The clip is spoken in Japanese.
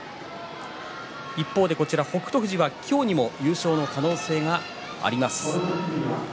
一方で北勝富士は今日にも優勝の可能性があります。